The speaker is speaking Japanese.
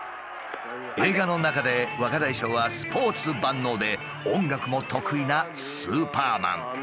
映画の中で若大将はスポーツ万能で音楽も得意なスーパーマン。